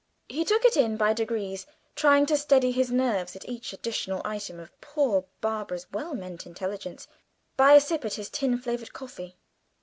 He took it in by degrees, trying to steady his nerves at each additional item of poor Barbara's well meant intelligence by a sip at his tin flavoured coffee.